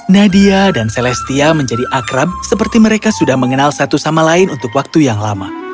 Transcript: nadia dan celestia menjadi akrab seperti mereka sudah mengenal satu sama lain untuk waktu yang lama